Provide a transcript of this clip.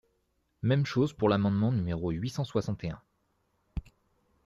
Même chose pour l’amendement numéro huit cent soixante et un.